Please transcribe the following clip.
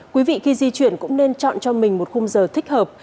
quý vị khi di chuyển cũng nên chọn cho mình một khung giờ thích hợp